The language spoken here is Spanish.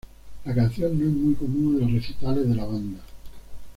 La canción no es muy común en los recitales de la banda.